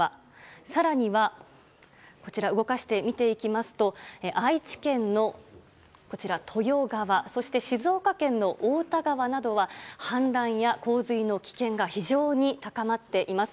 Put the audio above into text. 更には、動かして見ていきますと愛知県の豊川静岡県の太田川などは氾濫や洪水の危険が非常に高まっています。